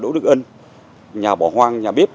đỗ đức ân nhà bỏ hoang nhà bếp